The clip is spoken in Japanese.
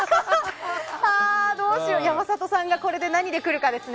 山里さんがこれで何で来るかですね。